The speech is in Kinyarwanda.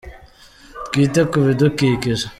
Twite ku bidukikije.